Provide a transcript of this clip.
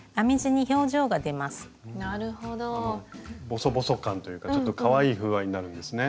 ボソボソ感というかちょっとかわいい風合いになるんですね。